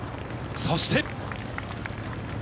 そして。